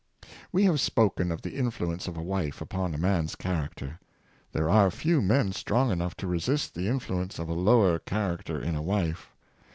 574 Moral Influence of a Wife, We have spoken of the influence of a wife upon a man's character. There are few men strong enough to resist the influence of a lower character in a wife.